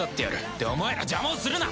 ってお前ら邪魔をするな！